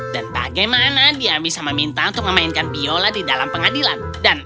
dan bagaimana dia bisa meminta untuk memainkan biola di dalam pengadilan